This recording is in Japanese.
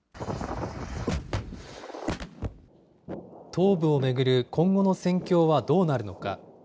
東部を巡る今後の戦況はどうなるのか。